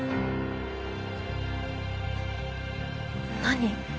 何？